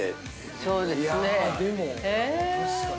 ◆そうですね、へ。